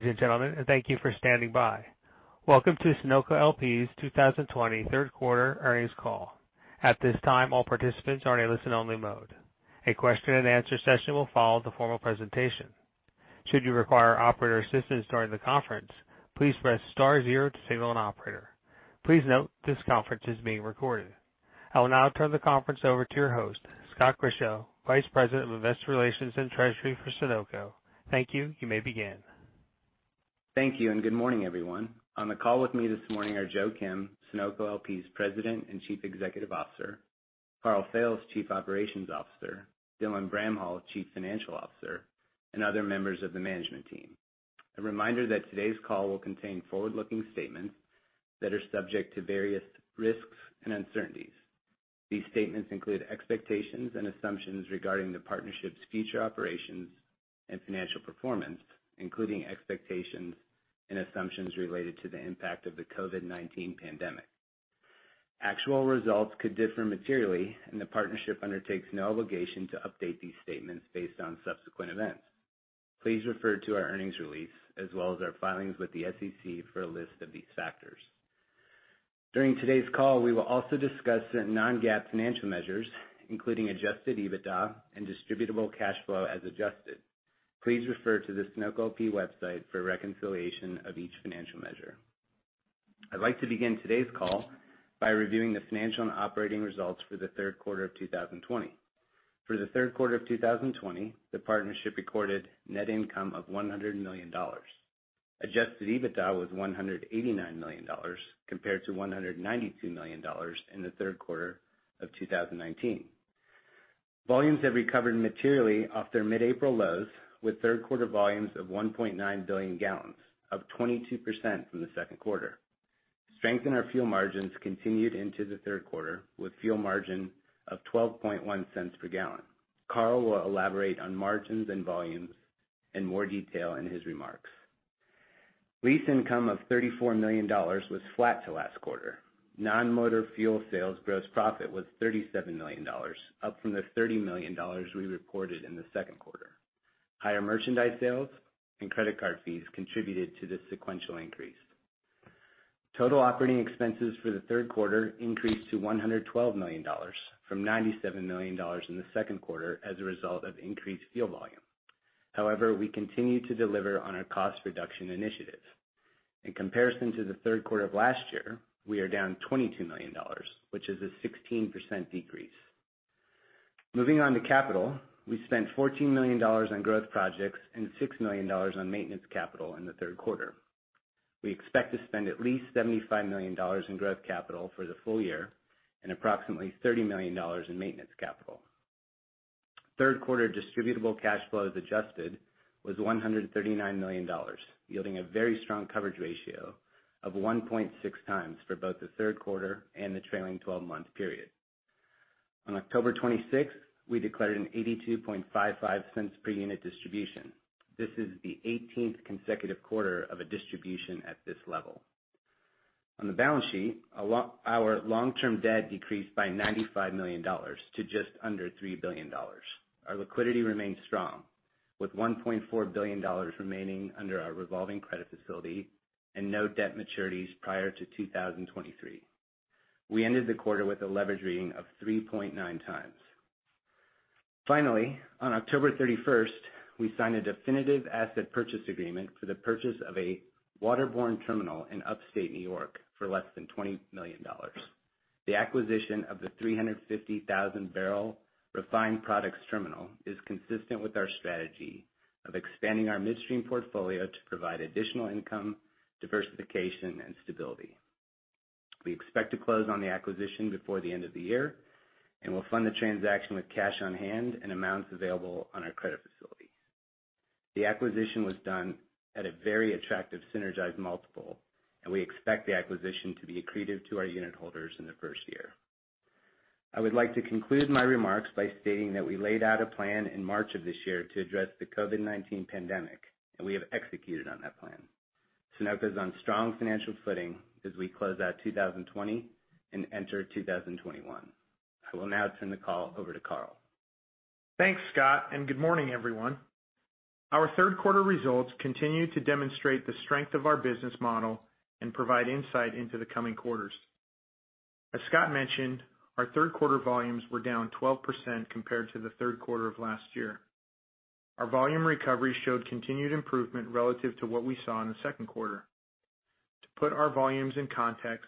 Ladies and gentlemen, thank you for standing by. Welcome to Sunoco LP's 2020 third quarter earnings call. At this time, all participants are in a listen-only mode. A question and answer session will follow the formal presentation. Should you require operator assistance during the conference, please press star zero to signal an operator. Please note this conference is being recorded. I will now turn the conference over to your host, Scott Grischow, Vice President of Investor Relations and Treasury for Sunoco. Thank you. You may begin. Thank you, and good morning, everyone. On the call with me this morning are Joe Kim, Sunoco LP's President and Chief Executive Officer, Karl Fails, Chief Operations Officer, Dylan Bramhall, Chief Financial Officer, and other members of the management team. A reminder that today's call will contain forward-looking statements that are subject to various risks and uncertainties. These statements include expectations and assumptions regarding the partnership's future operations and financial performance, including expectations and assumptions related to the impact of the COVID-19 pandemic. Actual results could differ materially, and the partnership undertakes no obligation to update these statements based on subsequent events. Please refer to our earnings release, as well as our filings with the SEC, for a list of these factors. During today's call, we will also discuss some non-GAAP financial measures, including adjusted EBITDA and distributable cash flow as adjusted. Please refer to the sunoco.com website for a reconciliation of each financial measure. I'd like to begin today's call by reviewing the financial and operating results for the third quarter of 2020. For the third quarter of 2020, the partnership recorded net income of $100 million. Adjusted EBITDA was $189 million, compared to $192 million in the third quarter of 2019. Volumes have recovered materially off their mid-April lows, with third-quarter volumes of 1.9 billion gallons, up 22% from the second quarter. Strength in our fuel margins continued into the third quarter, with fuel margin of $0.121 per gallon. Karl will elaborate on margins and volumes in more detail in his remarks. Lease income of $34 million was flat to last quarter. Non-motor fuel sales gross profit was $37 million, up from the $30 million we reported in the second quarter. Higher merchandise sales and credit card fees contributed to this sequential increase. Total operating expenses for the third quarter increased to $112 million from $97 million in the second quarter as a result of increased fuel volume. We continue to deliver on our cost reduction initiatives. In comparison to the third quarter of last year, we are down $22 million, which is a 16% decrease. Moving on to capital, we spent $14 million on growth projects and $6 million on maintenance capital in the third quarter. We expect to spend at least $75 million in growth capital for the full year and approximately $30 million in maintenance capital. Third quarter distributable cash flow as adjusted was $139 million, yielding a very strong coverage ratio of 1.6x for both the third quarter and the trailing 12-month period. On October 26th, we declared an $0.8255 per unit distribution. This is the 18th consecutive quarter of a distribution at this level. On the balance sheet, our long-term debt decreased by $95 million to just under $3 billion. Our liquidity remains strong, with $1.4 billion remaining under our revolving credit facility and no debt maturities prior to 2023. We ended the quarter with a leverage ratio of 3.9x. Finally, on October 31st, we signed a definitive asset purchase agreement for the purchase of a waterborne terminal in Upstate New York for less than $20 million. The acquisition of the 350,000 barrel refined products terminal is consistent with our strategy of expanding our midstream portfolio to provide additional income, diversification, and stability. We expect to close on the acquisition before the end of the year. We'll fund the transaction with cash on hand and amounts available on our credit facility. The acquisition was done at a very attractive synergized multiple. We expect the acquisition to be accretive to our unit holders in the first year. I would like to conclude my remarks by stating that we laid out a plan in March of this year to address the COVID-19 pandemic, and we have executed on that plan. Sunoco is on strong financial footing as we close out 2020 and enter 2021. I will now turn the call over to Karl. Thanks, Scott. Good morning, everyone. Our third quarter results continue to demonstrate the strength of our business model and provide insight into the coming quarters. As Scott mentioned, our third quarter volumes were down 12% compared to the third quarter of last year. Our volume recovery showed continued improvement relative to what we saw in the second quarter. To put our volumes in context,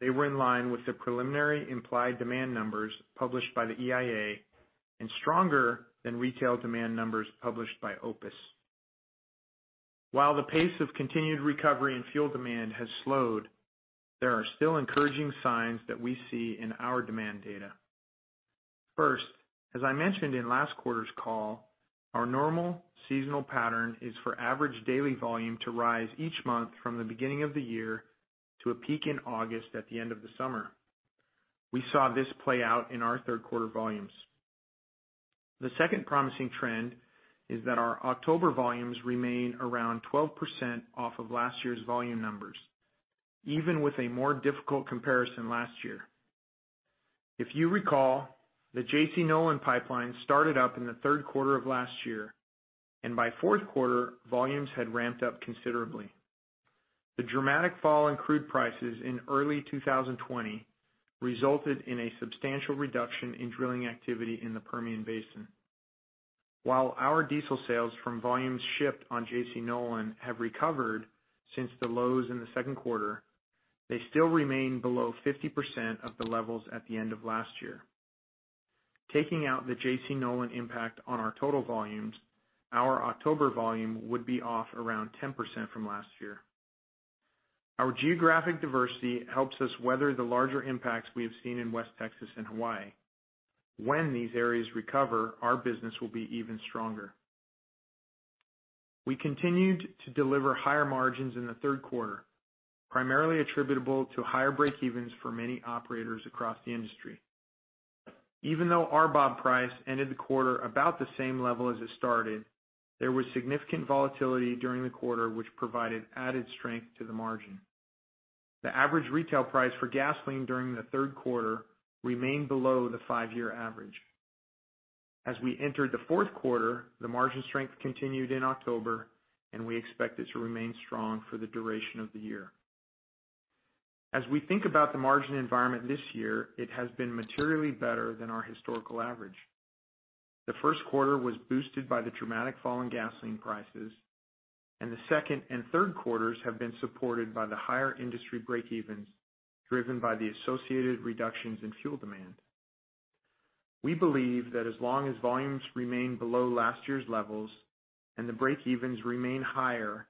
they were in line with the preliminary implied demand numbers published by the EIA and stronger than retail demand numbers published by OPIS. While the pace of continued recovery and fuel demand has slowed, there are still encouraging signs that we see in our demand data. First, as I mentioned in last quarter's call, our normal seasonal pattern is for average daily volume to rise each month from the beginning of the year to a peak in August at the end of the summer. We saw this play out in our third quarter volumes. The second promising trend is that our October volumes remain around 12% off of last year's volume numbers, even with a more difficult comparison last year. If you recall, the JC Nolan pipeline started up in the third quarter of last year, and by fourth quarter, volumes had ramped up considerably. The dramatic fall in crude prices in early 2020 resulted in a substantial reduction in drilling activity in the Permian Basin. While our diesel sales from volumes shipped on JC Nolan have recovered since the lows in the second quarter, they still remain below 50% of the levels at the end of last year. Taking out the JC Nolan impact on our total volumes, our October volume would be off around 10% from last year. Our geographic diversity helps us weather the larger impacts we have seen in West Texas and Hawaii. When these areas recover, our business will be even stronger. We continued to deliver higher margins in the third quarter, primarily attributable to higher breakevens for many operators across the industry. Even though our BOB price ended the quarter about the same level as it started, there was significant volatility during the quarter, which provided added strength to the margin. The average retail price for gasoline during the third quarter remained below the five-year average. As we entered the fourth quarter, the margin strength continued in October, and we expect it to remain strong for the duration of the year. As we think about the margin environment this year, it has been materially better than our historical average. The first quarter was boosted by the dramatic fall in gasoline prices, and the second and third quarters have been supported by the higher industry breakevens driven by the associated reductions in fuel demand. We believe that as long as volumes remain below last year's levels and the breakevens remain higher,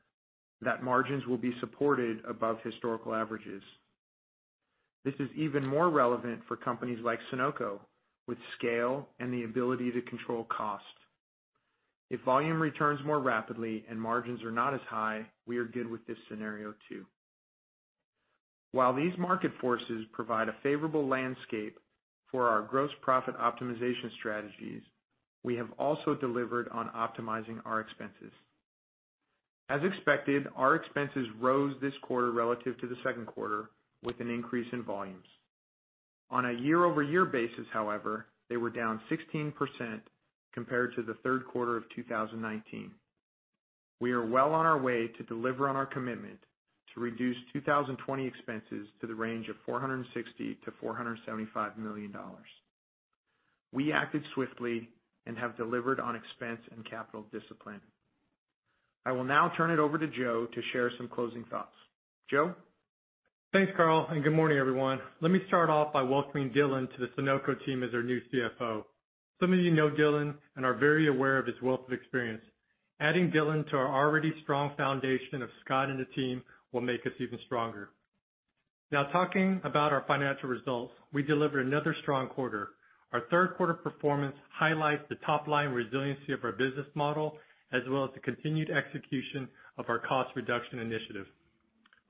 that margins will be supported above historical averages. This is even more relevant for companies like Sunoco with scale and the ability to control cost. If volume returns more rapidly and margins are not as high, we are good with this scenario too. While these market forces provide a favorable landscape for our gross profit optimization strategies, we have also delivered on optimizing our expenses. As expected, our expenses rose this quarter relative to the second quarter with an increase in volumes. On a year-over-year basis, however, they were down 16% compared to the third quarter of 2019. We are well on our way to deliver on our commitment to reduce 2020 expenses to the range of $460 million-$475 million. We acted swiftly and have delivered on expense and capital discipline. I will now turn it over to Joe to share some closing thoughts. Joe? Thanks, Karl. Good morning, everyone. Let me start off by welcoming Dylan to the Sunoco team as our new CFO. Some of you know Dylan and are very aware of his wealth of experience. Adding Dylan to our already strong foundation of Scott and the team will make us even stronger. Talking about our financial results, we delivered another strong quarter. Our third quarter performance highlights the top-line resiliency of our business model, as well as the continued execution of our cost reduction initiative.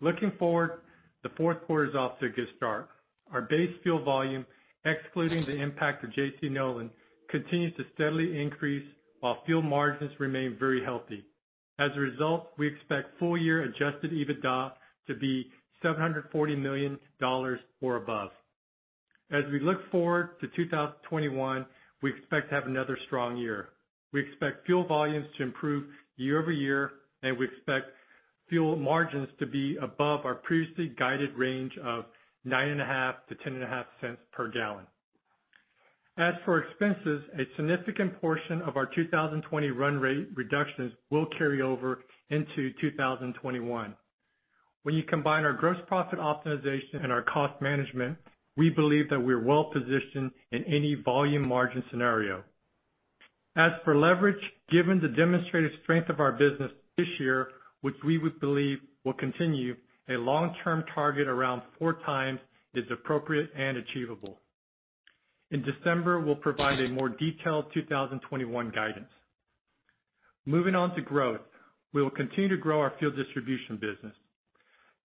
Looking forward, the fourth quarter is off to a good start. Our base fuel volume, excluding the impact of JC Nolan, continues to steadily increase while fuel margins remain very healthy. We expect full-year adjusted EBITDA to be $740 million or above. As we look forward to 2021, we expect to have another strong year. We expect fuel volumes to improve year-over-year, and we expect fuel margins to be above our previously guided range of $0.095-$0.105 per gallon. As for expenses, a significant portion of our 2020 run rate reductions will carry over into 2021. When you combine our gross profit optimization and our cost management, we believe that we're well-positioned in any volume margin scenario. As for leverage, given the demonstrated strength of our business this year, which we would believe will continue, a long-term target around 4x is appropriate and achievable. In December, we'll provide a more detailed 2021 guidance. Moving on to growth, we will continue to grow our fuel distribution business.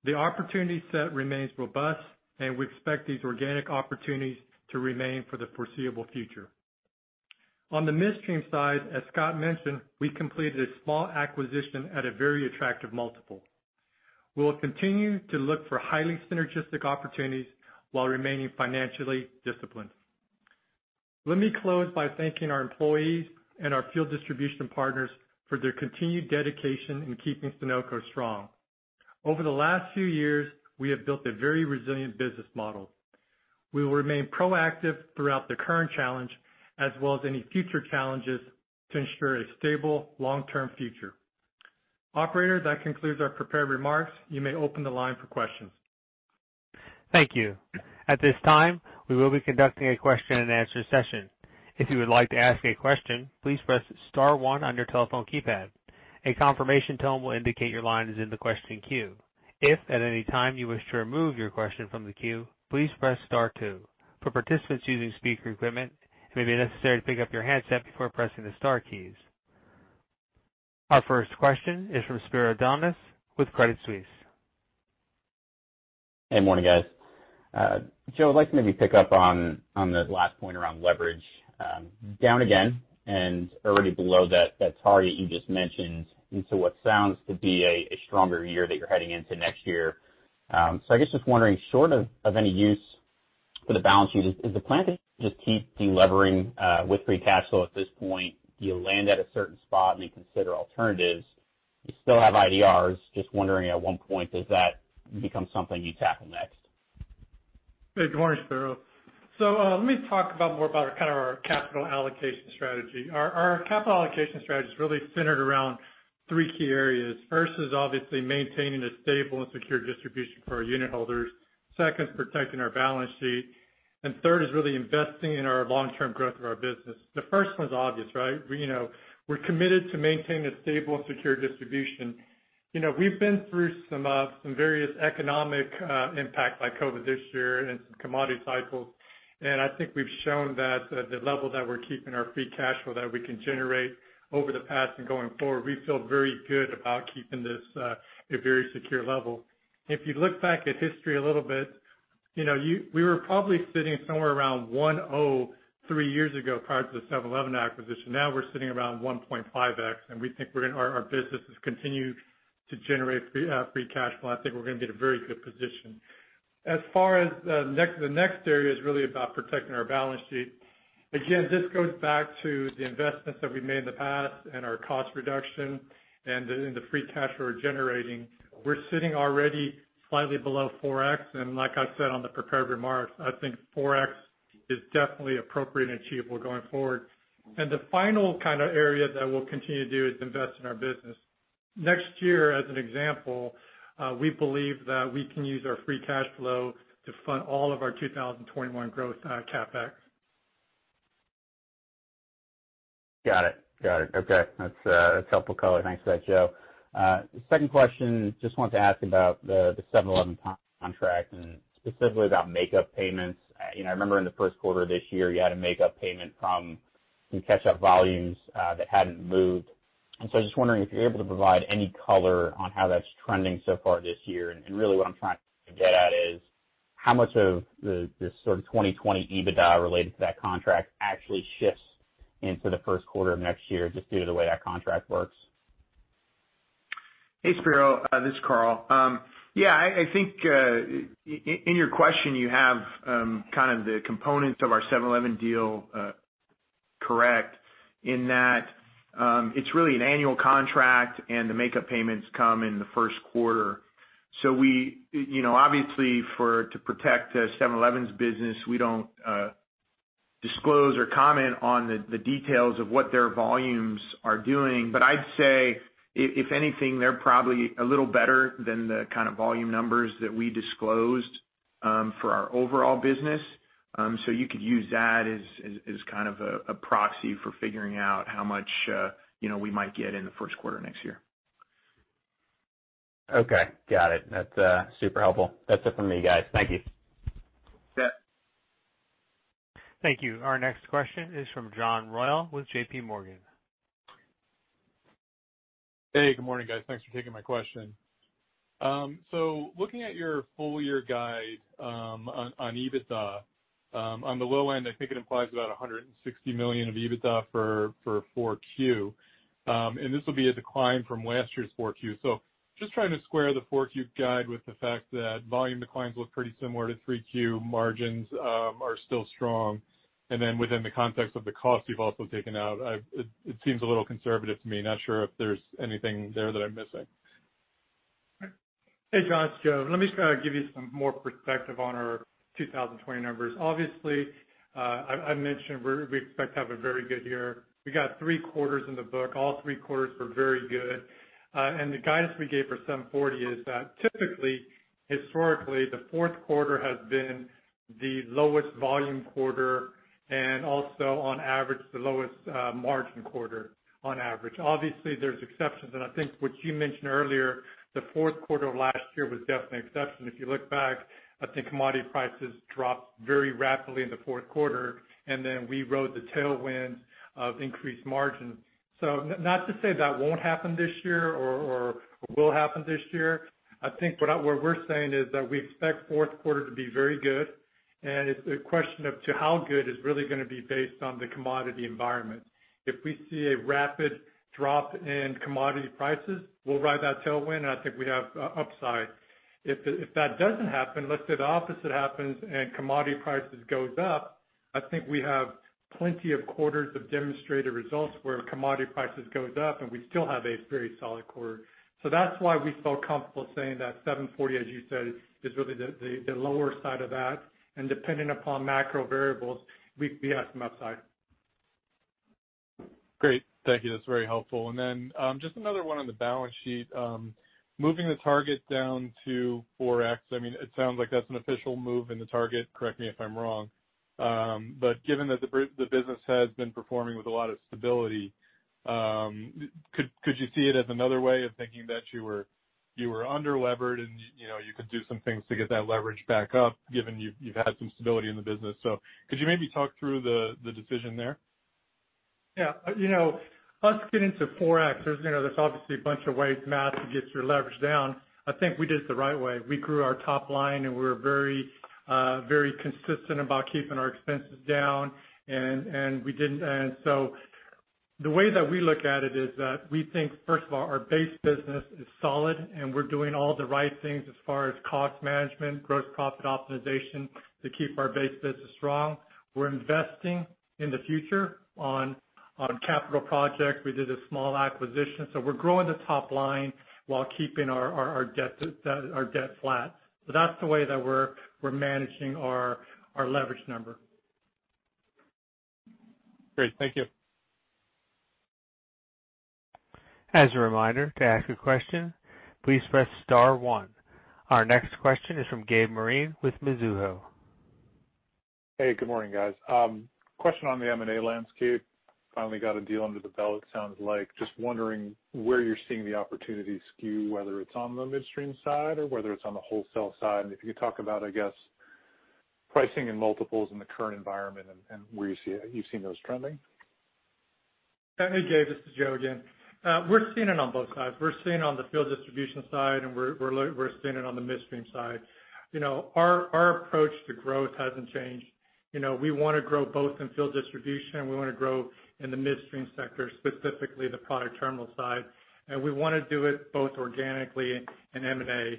The opportunity set remains robust, and we expect these organic opportunities to remain for the foreseeable future. On the midstream side, as Scott mentioned, we completed a small acquisition at a very attractive multiple. We will continue to look for highly synergistic opportunities while remaining financially disciplined. Let me close by thanking our employees and our fuel distribution partners for their continued dedication in keeping Sunoco strong. Over the last few years, we have built a very resilient business model. We will remain proactive throughout the current challenge as well as any future challenges to ensure a stable long-term future. Operator, that concludes our prepared remarks. You may open the line for questions. Thank you. At this time, we will be conducting a question and answer session. If you would like to ask a question, please press star one on your telephone keypad. A confirmation tone will indicate your line is in the question queue. If at any time you wish to remove your question from the queue, please press star two. For participants using speaker equipment, it may be necessary to pick up your handset before pressing the star keys. Our first question is from Spiro Dounis with Credit Suisse. Hey, morning, guys. Joe, I'd like to maybe pick up on the last point around leverage. Down again and already below that target you just mentioned into what sounds to be a stronger year that you're heading into next year. I guess just wondering, short of any use for the balance sheet, is the plan to just keep de-levering with free cash flow at this point? Do you land at a certain spot and then consider alternatives? You still have IDRs. Just wondering at what point does that become something you tackle next? Good morning, Spiro. Let me talk more about our capital allocation strategy. Our capital allocation strategy is really centered around three key areas. First is obviously maintaining a stable and secure distribution for our unit holders. Second is protecting our balance sheet, and third is really investing in our long-term growth of our business. The first one's obvious, right? We're committed to maintaining a stable and secure distribution. We've been through some various economic impacts like COVID-19 this year and some commodity cycles. I think we've shown that the level that we're keeping our free cash flow that we can generate over the past and going forward, we feel very good about keeping this at a very secure level. If you look back at history a little bit, we were probably sitting somewhere around 1. 0 three years ago, prior to the 7-Eleven acquisition. Now we're sitting around 1.5x, and we think our business has continued to generate free cash flow, and I think we're going to be in a very good position. As far as the next area is really about protecting our balance sheet. Again, this goes back to the investments that we've made in the past and our cost reduction and the free cash flow we're generating. We're sitting already slightly below 4x, and like I said on the prepared remarks, I think 4x is definitely appropriate and achievable going forward. The final area that we'll continue to do is invest in our business. Next year, as an example, we believe that we can use our free cash flow to fund all of our 2021 growth CapEx. Got it. Okay. That's helpful color. Thanks for that, Joe. Second question, just wanted to ask about the 7-Eleven contract and specifically about makeup payments. I remember in the first quarter of this year, you had a makeup payment from some catch-up volumes that hadn't moved. I was just wondering if you're able to provide any color on how that's trending so far this year, and really what I'm trying to get at is how much of this sort of 2020 EBITDA related to that contract actually shifts into the first quarter of next year just due to the way that contract works? Hey, Spiro, this is Karl. Yeah, I think in your question you have the components of our 7-Eleven deal correct in that it's really an annual contract and the makeup payments come in the first quarter. Obviously, to protect 7-Eleven's business, we don't disclose or comment on the details of what their volumes are doing. I'd say if anything, they're probably a little better than the kind of volume numbers that we disclosed for our overall business. You could use that as a proxy for figuring out how much we might get in the first quarter next year. Okay. Got it. That's super helpful. That's it from me, guys. Thank you. Yep. Thank you. Our next question is from John Royall with JPMorgan. Hey, good morning, guys. Thanks for taking my question. Looking at your full year guide on EBITDA, on the low end, I think it implies about $160 million of EBITDA for 4Q, and this will be a decline from last year's 4Q. Just trying to square the 4Q guide with the fact that volume declines look pretty similar to 3Q, margins are still strong, and then within the context of the cost you've also taken out, it seems a little conservative to me. Not sure if there's anything there that I'm missing. Hey, John. It's Joe. Let me give you some more perspective on our 2020 numbers. Obviously, I mentioned we expect to have a very good year. We got three quarters in the book. All three quarters were very good. The guidance we gave for $740 million is that typically, historically, the fourth quarter has been the lowest volume quarter and also on average, the lowest margin quarter on average. Obviously, there's exceptions, and I think what you mentioned earlier, the fourth quarter of last year was definitely an exception. If you look back, I think commodity prices dropped very rapidly in the fourth quarter, and then we rode the tailwind of increased margins. Not to say that won't happen this year or will happen this year. I think what we're saying is that we expect fourth quarter to be very good, it's a question of how good is really going to be based on the commodity environment. If we see a rapid drop in commodity prices, we'll ride that tailwind, I think we have upside. If that doesn't happen, let's say the opposite happens and commodity prices go up, I think we have plenty of quarters of demonstrated results where commodity prices go up and we still have a very solid quarter. That's why we felt comfortable saying that $740 million, as you said, is really the lower side of that. Depending upon macro variables, we have some upside. Great. Thank you. That's very helpful. Just another one on the balance sheet. Moving the target down to 4x, it sounds like that's an official move in the target, correct me if I'm wrong. Given that the business has been performing with a lot of stability, could you see it as another way of thinking that you were under-levered and you could do some things to get that leverage back up given you've had some stability in the business? Could you maybe talk through the decision there? Yeah. Us getting to 4x, there's obviously a bunch of ways, math, to get your leverage down. I think we did it the right way. We grew our top line, and we're very consistent about keeping our expenses down. The way that we look at it is that we think, first of all, our base business is solid, and we're doing all the right things as far as cost management, gross profit optimization to keep our base business strong. We're investing in the future on capital projects. We did a small acquisition. We're growing the top line while keeping our debt flat. That's the way that we're managing our leverage number. Great. Thank you. As a reminder, to ask a question, please press star one. Our next question is from Gabe Moreen with Mizuho. Hey, good morning, guys. Question on the M&A landscape. Finally got a deal under the belt, sounds like. Just wondering where you're seeing the opportunity skew, whether it's on the midstream side or whether it's on the wholesale side. If you could talk about, I guess, pricing and multiples in the current environment and where you've seen those trending. Hey, Gabe. This is Joe again. We're seeing it on both sides. We're seeing on the fuel distribution side, and we're seeing it on the midstream side. Our approach to growth hasn't changed. We want to grow both in fuel distribution. We want to grow in the midstream sector, specifically the product terminal side. We want to do it both organically and M&A.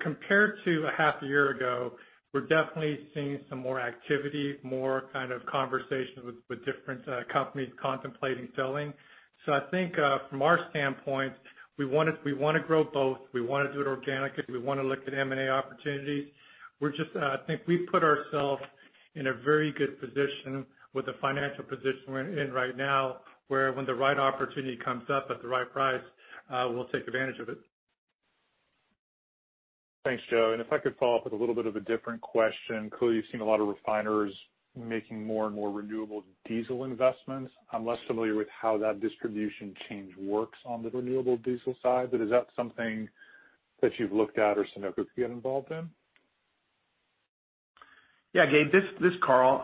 Compared to a half a year ago, we're definitely seeing some more activity, more kind of conversations with different companies contemplating selling. I think, from our standpoint, we want to grow both. We want to do it organically. We want to look at M&A opportunities. I think we've put ourselves in a very good position with the financial position we're in right now, where when the right opportunity comes up at the right price, we'll take advantage of it. Thanks, Joe. If I could follow up with a little bit of a different question. Clearly, you've seen a lot of refiners making more and more renewable diesel investments. I'm less familiar with how that distribution change works on the renewable diesel side, but is that something that you've looked at or Sunoco could get involved in? Yeah, Gabe. This is Karl.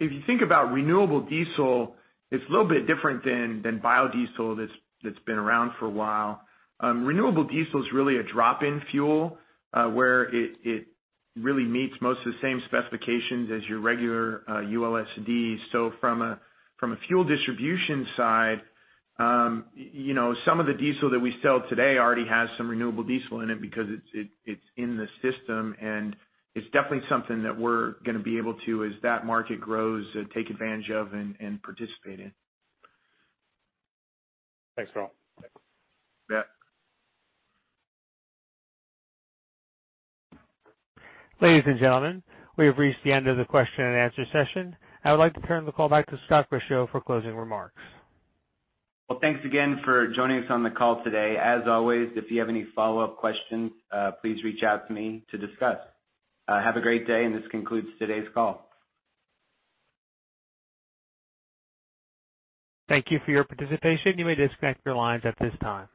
If you think about renewable diesel, it's a little bit different than biodiesel that's been around for a while. Renewable diesel is really a drop-in fuel, where it really meets most of the same specifications as your regular ULSD. From a fuel distribution side, some of the diesel that we sell today already has some renewable diesel in it because it's in the system, and it's definitely something that we're going to be able to, as that market grows, take advantage of and participate in. Thanks, Karl. Yeah. Ladies and gentlemen, we have reached the end of the question and answer session. I would like to turn the call back to Scott Grischow for closing remarks. Well, thanks again for joining us on the call today. As always, if you have any follow-up questions, please reach out to me to discuss. Have a great day. This concludes today's call. Thank you for your participation. You may disconnect your lines at this time.